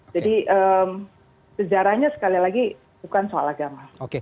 jadi sejarahnya sekali lagi bukan soal agama